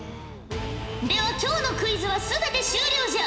では今日のクイズは全て終了じゃ。